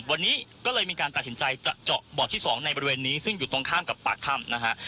วันนี้ก็เลยมีการตัดสินใจจะเจาะบ่อที่๒ในบริเวณนี้ซึ่งอยู่ตรงข้ามกับปากถ้ำนะฮะ